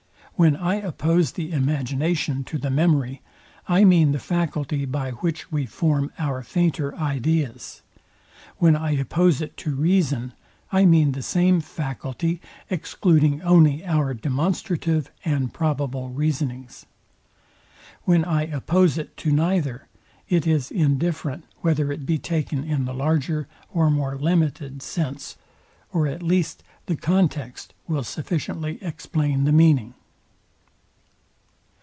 When I oppose the Imagination to the memory, I mean the faculty, by which we form our fainter ideas. When I oppose it to reason, I mean the same faculty, excluding only our demonstrative and probable reasonings. When I oppose it to neither, it is indifferent whether it be taken in the larger or more limited sense, or at least the context will sufficiently explain the meaning.